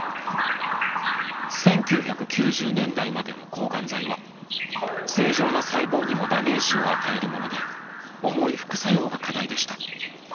１９９０年代までの抗がん剤は正常な細胞にもダメージを与えるもので重い副作用が課題でした。